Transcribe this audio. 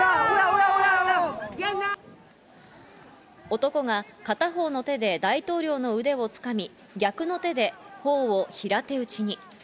男が片方の手で大統領の腕をつかみ、逆の手でほおを平手打ちに。